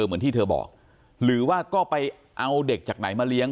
เหมือนที่เธอบอกหรือว่าก็ไปเอาเด็กจากไหนมาเลี้ยง